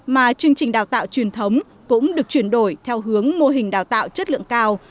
mà chương trình đào tạo truyền thống cũng được chuyển đổi theo hướng mô hình đào tạo chất lượng cao